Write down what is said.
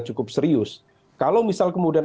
cukup serius kalau misal kemudian